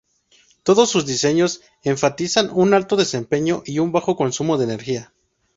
Todos sus diseños enfatizan un alto desempeño y un bajo consumo de energía.